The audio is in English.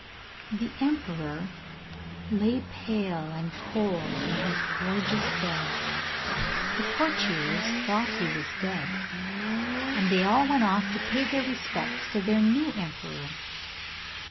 The emperor lay pale and cold in his gorgeous bed, the courtiers thought he was dead, and they all went off to pay their respects to their new emperor.